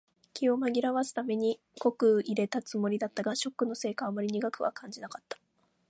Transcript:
気を紛らわすために濃く淹れたつもりだったが、ショックのせいかあまり苦くは感じなかった。